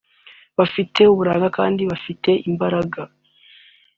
bafite uburanga kandi bafite imbaraga